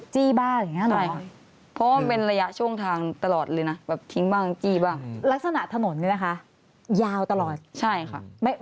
จี้บ้างอย่างนั้นหรอ